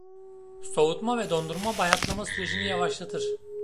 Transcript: Soğutma ve dondurma bayatlama sürecini yavaşlatır.